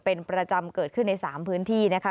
เป็นประจำเกิดขึ้นใน๓พื้นที่นะคะ